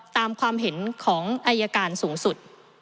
ตามความเห็นของอายการสูงสุด